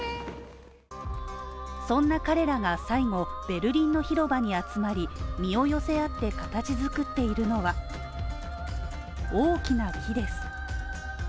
そんな彼らが最後、ベルリンの広場に集まり、身を寄せ合って形づくっているのは大きな木です。